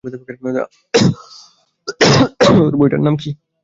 তা, তার দেয়া বইটা কি আমরা পড়বো?